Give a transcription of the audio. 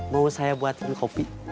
mau saya buatin kopi